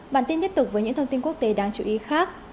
bản tin tiếp tục với những thông tin quốc tế đáng chú ý khác